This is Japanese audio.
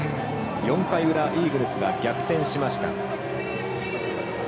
４回裏、イーグルスが逆転しました。